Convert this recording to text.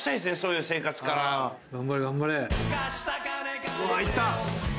・うわ行った！